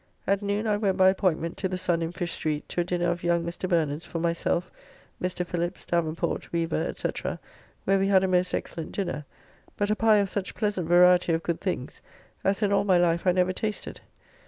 At noon I went by appointment to the Sun in Fish Street to a dinner of young Mr. Bernard's for myself, Mr. Phillips, Davenport, Weaver, &c., where we had a most excellent dinner, but a pie of such pleasant variety of good things, as in all my life I never tasted.